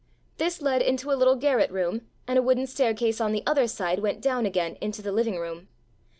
This led into a little garret room and a wooden staircase on the other side went down again into the living room.